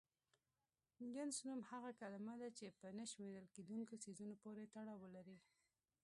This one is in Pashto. جنس نوم هغه کلمه ده چې په نه شمېرل کيدونکو څيزونو پورې تړاو ولري.